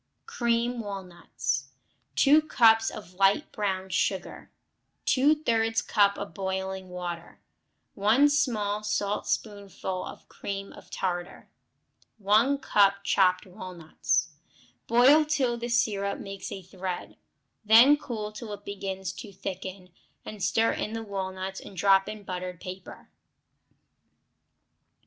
Cream Walnuts 2 cups of light brown sugar. Two thirds cup of boiling water. 1 small saltspoonful of cream of tartar. 1 cup chopped walnuts. Boil till the syrup makes a thread, then cool till it begins to thicken, and stir in the walnuts and drop on buttered paper.